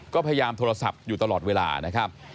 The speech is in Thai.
ก็พยายามโทรศัพท์อยู่ตลอดเวลานะครับ